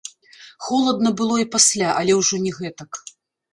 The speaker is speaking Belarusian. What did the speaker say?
Халодна было і пасля, але ўжо не гэтак.